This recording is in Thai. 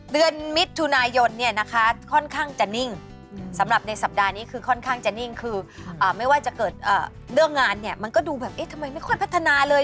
เดือนมิถุนายนเนี่ยนะคะค่อนข้างจะนิ่งสำหรับในสัปดาห์นี้คือค่อนข้างจะนิ่งคือไม่ว่าจะเกิดเรื่องงานเนี่ยมันก็ดูแบบเอ๊ะทำไมไม่ค่อยพัฒนาเลย